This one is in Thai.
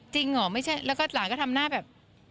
เหรอไม่ใช่แล้วก็หลานก็ทำหน้าแบบ